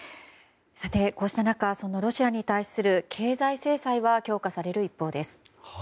こうした中ロシアに対する経済制裁は強化される一方です。